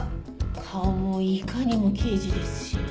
顔もいかにも刑事ですし。